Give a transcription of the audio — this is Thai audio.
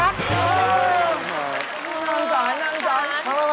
น้องสารน้องสาร